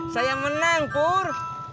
saya menang pur